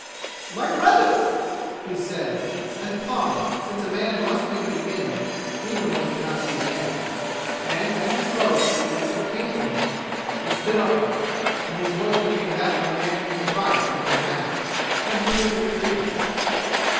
"My brothers," he said, and paused, since a man must make a beginning, even when he can not see the end. And as he spoke the answer came to him. He stood upright, and his voice became that of a man whose advice has been asked, and who gives it freely.